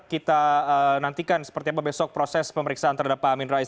kita nantikan seperti apa besok proses pemeriksaan terhadap pak amin rais